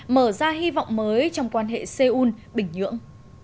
mở ra hy vọng mới trong quan hệ seoul bình nhưỡng